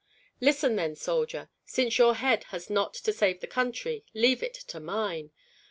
"Listen, then, soldier! Since your head has not to save the country, leave it to mine."